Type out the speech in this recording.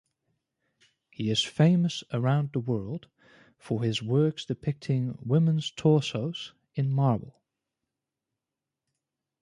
He is famous around the world for his works depicting women's torsos in marble.